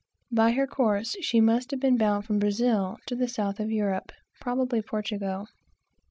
By her course, she must have been bound from Brazil to the south of Europe, probably Portugal.